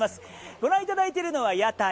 ご覧いただいているのは屋台。